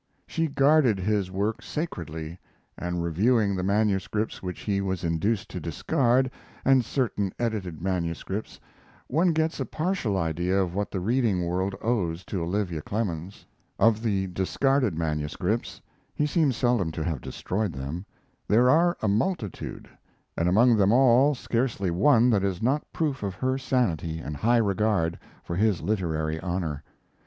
She guarded his work sacredly; and reviewing the manuscripts which he was induced to discard, and certain edited manuscripts, one gets a partial idea of what the reading world owes to Olivia Clemens. Of the discarded manuscripts (he seems seldom to have destroyed them) there are a multitude, and among them all scarcely one that is not a proof of her sanity and high regard for his literary honor.